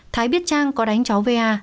thái biết trang có đánh cháu va